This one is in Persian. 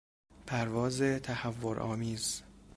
پروازتهور آمیز